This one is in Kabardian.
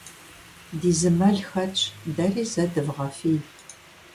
Ди зы мэл хэтщ, дэри зэ дывгъэфий.